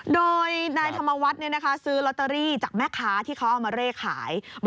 โดยนายธรรมวัฒน์ซื้อลอตเตอรี่จากแม่ค้าที่เขาเอามาเร่ขาย